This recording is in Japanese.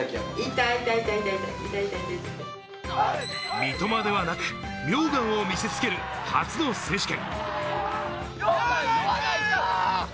三笘ではなく、名願を見せ付ける初の選手権。